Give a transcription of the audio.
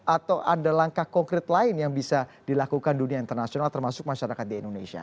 atau ada langkah konkret lain yang bisa dilakukan dunia internasional termasuk masyarakat di indonesia